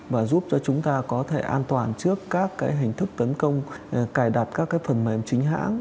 và giúp cho chúng ta có thể an toàn trước các cái hình thức tấn công cài đặt các cái phần mềm chính hãng